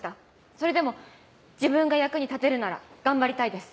それでも自分が役に立てるなら頑張りたいです。